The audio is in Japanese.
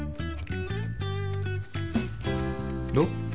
どう？